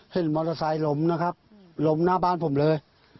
เห็นมอเตอร์ไซค์ล้มนะครับล้มหน้าบ้านผมเลย